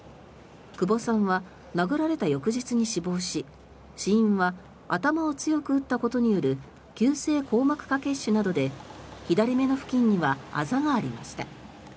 久保さんは殴られた翌日に死亡し死因は頭を強く打ったことによる急性硬膜下血腫などで左目の付近にはあざがありました。